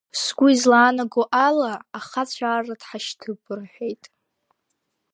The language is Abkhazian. Сгәы излаанаго ала, ахацәа арра дҳашьҭып, — рҳәеит.